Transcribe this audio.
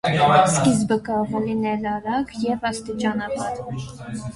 Սկիզբը կարող է լինել արագ և աստիճանաբար։